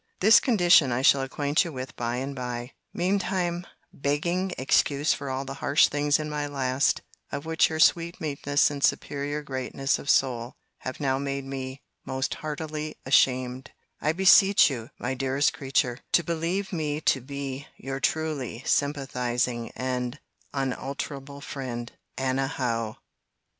This condition I shall acquaint you with by and by. Mean time, begging excuse for all the harsh things in my last, of which your sweet meekness and superior greatness of soul have now made me most heartily ashamed, I beseech you, my dearest creature, to believe me to be Your truly sympathising, and unalterable friend, ANNA HOWE.